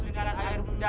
dengan air muda